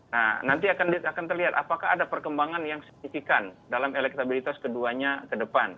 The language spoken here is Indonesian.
nah nanti akan terlihat apakah ada perkembangan yang signifikan dalam elektabilitas keduanya ke depan